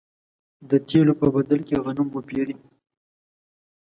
د تېلو په بدل کې غنم وپېري.